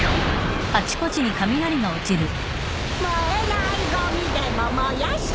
「燃えないごみでも燃やしたら」